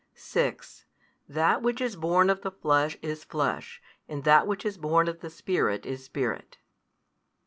6 That which is born of the flesh is flesh, and that which is born of the Spirit is spirit.